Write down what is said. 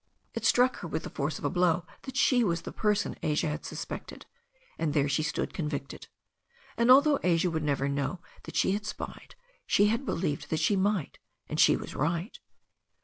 It struck her with the force of a blow that she was the person Asia had suspected, and there she stood convicted And although Asia would never know that she had spied, she had believed that she might, and she was right.